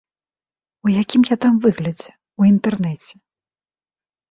У якім я там выглядзе, у інтэрнэце!